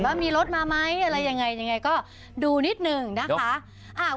ว่ามีรถมาไหมอะไรยังไงยังไงก็ดูนิดนึงนะคะ